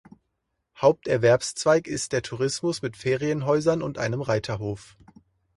Haupterwerbszweig ist der Tourismus mit Ferienhäusern und einem Reiterhof.